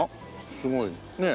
すごいねえ。